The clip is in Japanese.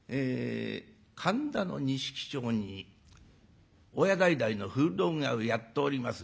神田の錦町に親代々の古道具屋をやっております